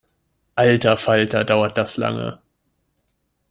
Alter Falter, dauert das lange!